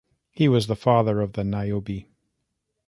He was the father of the Niobe.